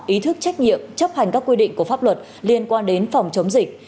ý thức trách nhiệm chấp hành các quy định của pháp luật liên quan đến phòng chống dịch